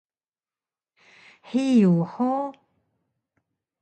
Hiyug hug?